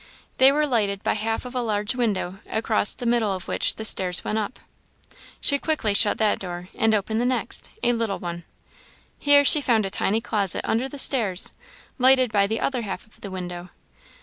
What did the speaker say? They were lighted by half of a large window, across the middle of which the stairs went up. She quickly shut that door, and opened the next, a little one. Here she found a tiny closet under the stairs, lighted by the other half of the window.